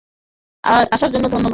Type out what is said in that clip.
আসার জন্য ধন্যবাদ!